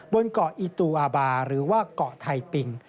บนเกาะอีตูอาบาหรือว่าเกาะไทยปิง